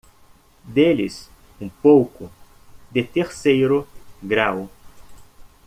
Dê-lhes um pouco de terceiro grau.